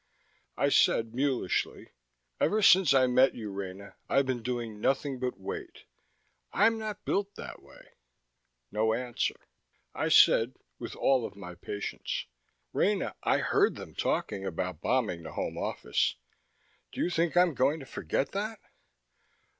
I said mulishly: "Ever since I met you, Rena, I've been doing nothing but wait. I'm not built that way!" No answer. I said, with all of my patience: "Rena, I heard them talking about bombing the Home Office. Do you think I am going to forget that?"